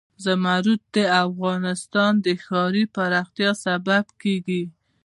زمرد د افغانستان د ښاري پراختیا سبب کېږي.